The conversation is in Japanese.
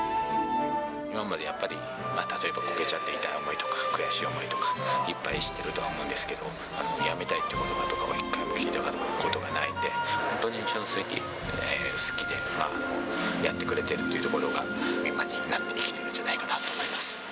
今までやっぱり、例えばこけちゃって、痛い思いとか悔しい思いとか、いっぱいしてるとは思うんですけど、やめたいってことばとかは一回も聞いたことがないんで、本当に純粋に好きでやってくれているというところが、今になって生きているんじゃないかなと思います。